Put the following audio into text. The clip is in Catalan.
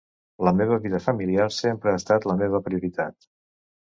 La meva vida familiar sempre ha estat la meva prioritat.